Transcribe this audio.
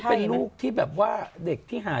เป็นลูกที่แบบว่าเด็กที่หา